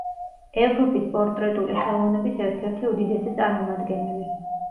ევროპის პორტრეტული ხელოვნების ერთ-ერთი უდიდესი წარმომადგენელი.